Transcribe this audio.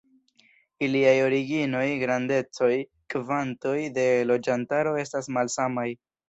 Iliaj originoj, grandecoj, kvantoj de loĝantaro estas malsamaj.